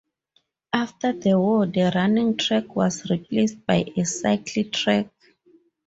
After the war the running track was replaced by a cycle track.